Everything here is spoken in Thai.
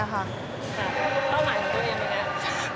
เป้าหมายของตัวเองมั้ยครับ